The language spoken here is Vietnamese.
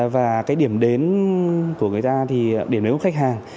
và cái điểm đến của người ta thì điểm đến của khách hàng